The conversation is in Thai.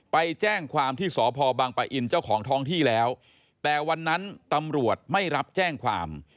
ไปแจ้งความที่สพบังปะอินเจ้าของท้องที่แล้วแต่วันนั้นตำรวจไม่รับแจ้งความ